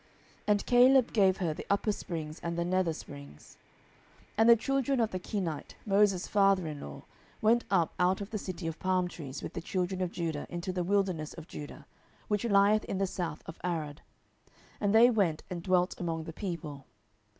And Caleb gave her the upper springs and the nether springs. 07:001:016 And the children of the Kenite, Moses' father in law, went up out of the city of palm trees with the children of Judah into the wilderness of Judah, which lieth in the south of Arad; and they went and dwelt among the people.